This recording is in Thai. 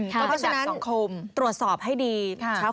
เขาที่ฉะนั้นตรวจสอบให้ดีก็เป็นสถานีสังคม